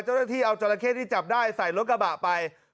เจ้าหน้าที่เอาจราเข้ที่จับได้ใส่รถกระบะไป